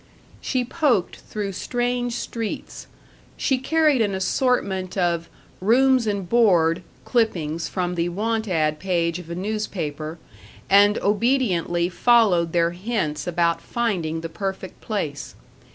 She poked through strange streets. She carried an assortment of "Rooms and Board" clippings from the "want ad" page of a newspaper, and obediently followed their hints about finding the perfect place.